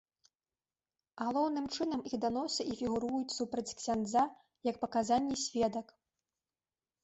Галоўным чынам іх даносы і фігуруюць супраць ксяндза як паказанні сведак.